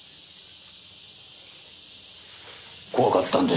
怖かったんです。